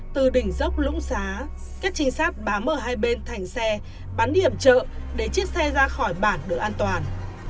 từ đỉnh dốc lũng xá các trinh sát bám ở hai bên thành xe bắn hiểm chợ để chiếc xe ra khỏi bản được an toàn